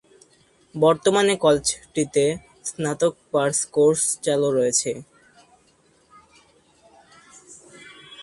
বর্তমানে কলেজটিতে স্নাতক purse course চালু রয়েছে।